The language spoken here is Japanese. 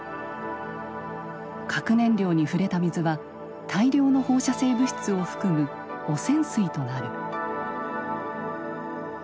核燃料に触れた水は大量の放射性物質を含む汚染水となる。